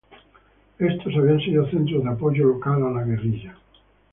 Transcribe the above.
Estos habían sido centros de apoyo local a la guerrilla.